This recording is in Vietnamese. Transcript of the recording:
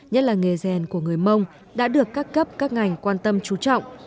nhất là nghề rèn của người mông đã được các cấp các ngành quan tâm trú trọng